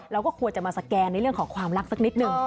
เราก็ควรจะมาสแกนในเรื่องของความรักสักนิดนึง